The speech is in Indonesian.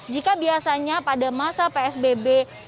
jika biasanya pada masa psbb